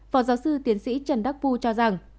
phó giáo sư tiến sĩ trần đắc phu cho rằng